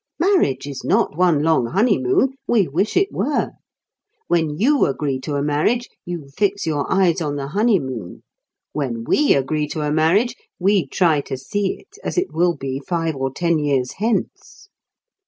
Marriage is not one long honeymoon. We wish it were. When you agree to a marriage you fix your eyes on the honeymoon. When we agree to a marriage we try to see it as it will be five or ten years hence.